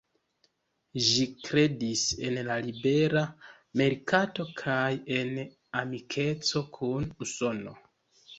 Ĝi kredis en la libera merkato kaj en amikeco kun Usono.